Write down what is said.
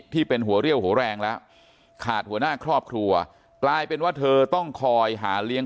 ที่เป็นหัวเรี่ยวหัวแรงแล้วขาดหัวหน้าครอบครัวกลายเป็นว่าเธอต้องคอยหาเลี้ยง